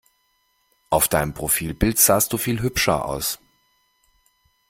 Auf deinem Profilbild sahst du viel hübscher aus!